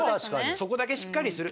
そこだけしっかりする。